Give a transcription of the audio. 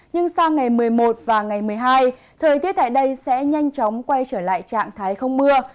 nhưng sang ngày một mươi một và ngày một mươi hai thời tiết tại đây sẽ nhanh chóng quay trở lại trạng thái không mưa